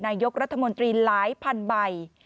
นายกรัฐมนตรีหลายพันใบ